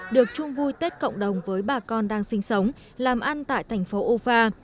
được chung vui tết cộng đồng với bà con đang sinh sống làm ăn tại thành phố ufa